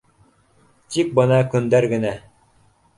Тик бына көндәр генә